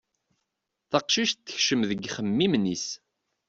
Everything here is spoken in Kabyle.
Taqcict tekcem deg yixemmimen-is.